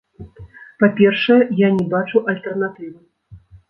Па-першае, я не бачу альтэрнатывы.